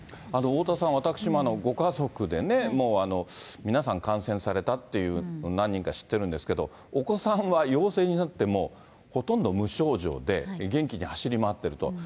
おおたわさん、私もご家族で皆さん、感染されたっていう、何人か知ってるんですけど、お子さんは陽性になっても、ほとんど無症状で、元気に走り回っていると。